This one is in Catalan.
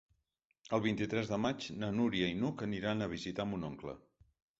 El vint-i-tres de maig na Núria i n'Hug aniran a visitar mon oncle.